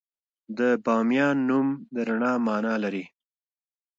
د بامیان نوم د رڼا مانا لري